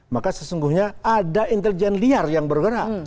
maka sesungguhnya ada intelijen liar yang bergerak